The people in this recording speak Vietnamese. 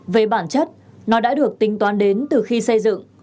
về bản chất nó đã được tính toán đến từ khi xây dựng